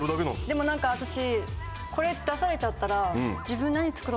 でも何か私これ出されちゃったら。